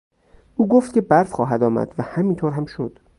او گفت که برف خواهد آمد و همین طور هم شد!